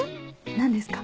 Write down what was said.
何ですか？